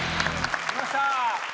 きました！